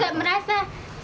jadi kepikiran saya itu